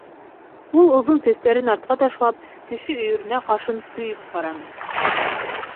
Ул оҙон сәстәрен артҡа ташлап, кеше өйөрөнә ҡашын төйөп ҡараны.